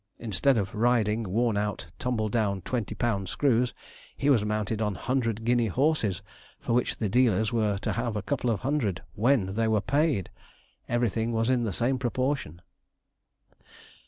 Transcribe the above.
Instead of riding worn out, tumble down, twenty pound screws, he was mounted on hundred guinea horses, for which the dealers were to have a couple of hundred, when they were paid. Everything was in the same proportion.